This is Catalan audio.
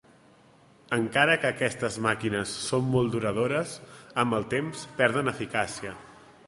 Encara que aquestes màquines són molt duradores, amb el temps perden eficàcia.